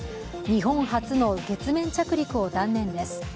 日本初の月面着陸を断念です。